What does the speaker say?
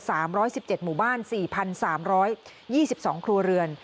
สามร้อยสิบเจ็ดหมู่บ้านสี่พันสามร้อยยี่สิบสองครัวเรือน